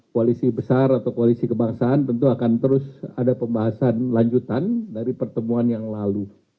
koalisi besar atau koalisi kebangsaan tentu akan terus ada pembahasan lanjutan dari pertemuan yang lalu